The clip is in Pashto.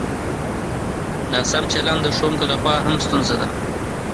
ناسم چلند د ښوونکو له خوا هم ستونزه ده.